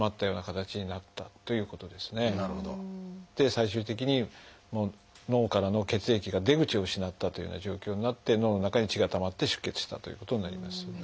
最終的に脳からの血液が出口を失ったというような状況になって脳の中に血がたまって出血したということになります。